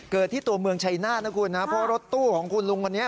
ที่ตัวเมืองชัยนาธนะคุณนะเพราะรถตู้ของคุณลุงคนนี้